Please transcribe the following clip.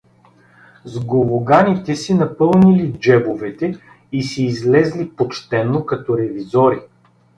С гологаните си напълнили джебовете и си излезли почтено, като ревизори.